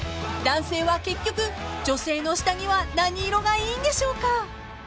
［男性は結局女性の下着は何色がいいんでしょうか？］